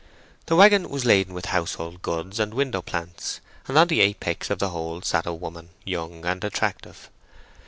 The waggon was laden with household goods and window plants, and on the apex of the whole sat a woman, young and attractive.